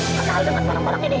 kenal dengan barang barang ini